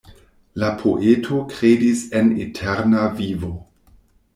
La poeto kredis en eterna vivo.